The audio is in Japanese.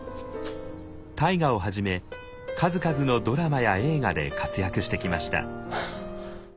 「大河」をはじめ数々のドラマや映画で活躍してきました。